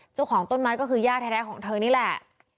เจ้าของต้นไม้ก็คือย่าแท้ของเธอนี่แหละ